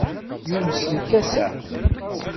Yumes lkas-a?